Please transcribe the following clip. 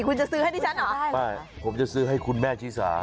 คุณจะซื้อให้ดิฉันเหรอใช่ไม่ผมจะซื้อให้คุณแม่ชีสา